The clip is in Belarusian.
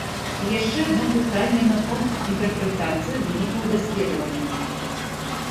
І яшчэ адно пытанне наконт інтэрпрэтацыі вынікаў даследаванняў.